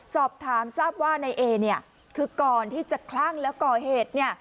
สอบถามทราบว่านายเอคือก่อนที่จะคลั่งแล้วก่อเหตุ